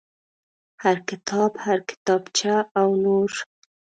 هر کتاب هر کتابچه او نور.